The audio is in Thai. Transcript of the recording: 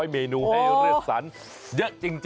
เมนูให้เลือกสรรเยอะจริง